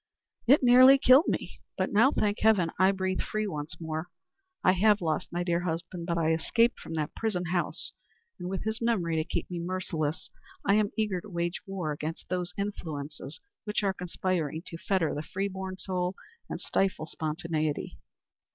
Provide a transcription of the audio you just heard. "It nearly killed me. But now, thank heaven, I breathe freely once more. I have lost my dear husband, but I have escaped from that prison house; and with his memory to keep me merciless, I am eager to wage war against those influences which are conspiring to fetter the free born soul and stifle spontaneity.